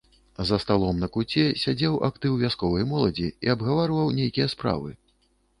За сталом на куце сядзеў актыў вясковай моладзі і абгаварваў нейкія справы.